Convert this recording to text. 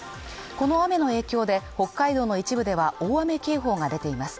この雨の影響で北海道の一部では大雨警報が出ています